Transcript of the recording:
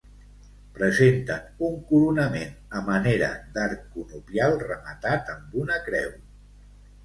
Presenten un coronament a manera d'arc conopial rematat amb una creu.